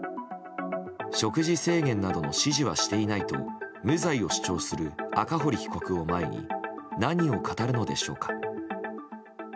食事制限などの指示はしていないと無罪を主張する赤堀被告を前に何を語るのでしょうか。